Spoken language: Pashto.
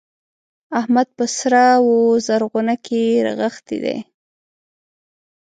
احمد په سره و زرغونه کې رغښتی دی.